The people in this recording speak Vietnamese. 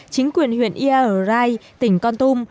chính quyền huyện ia ở rai tỉnh con tum